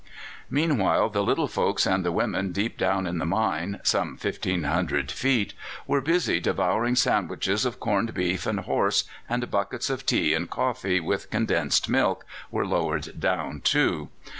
Meanwhile, the little folks and the women deep down in the mine some 1,500 feet were busy devouring sandwiches of corned beef and horse, and buckets of tea and coffee, with condensed milk, were lowered down too.